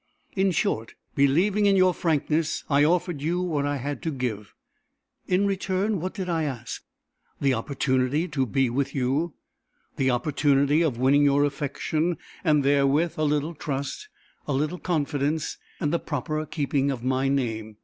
In short, believing in your frankness, I offered you what I had to give. In return what did I ask? The opportunity to be with you, the opportunity of winning your affection and therewith a little trust, a little confidence and the proper keeping of my name.